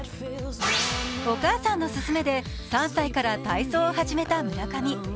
お母さんの勧めで３歳から体操を始めた村上。